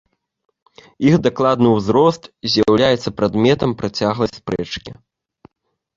Іх дакладны ўзрост з'яўляецца прадметам працяглай спрэчкі.